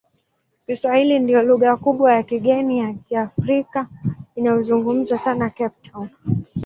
Kiswahili ndiyo lugha kubwa ya kigeni ya Kiafrika inayozungumzwa sana Cape Town.